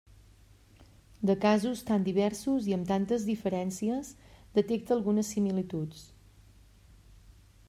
De casos tan diversos i amb tantes diferències, detecte algunes similituds.